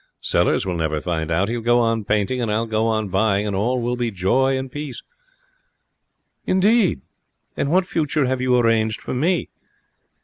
Sellers will never find out. He'll go on painting and I'll go on buying, and all will be joy and peace.' 'Indeed! And what future have you arranged for me?'